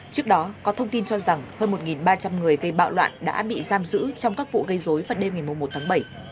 trước đó có thông tin cho rằng hơn một ba trăm linh người gây bạo loạn đã bị giam giữ trong các vụ gây dối vào đêm ngày một tháng bảy